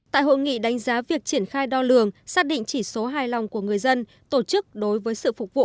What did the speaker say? tại hội nghị đánh giá việc triển khai đo lường xác định chỉ số hài lòng của người dân tổ chức đối với sự phục vụ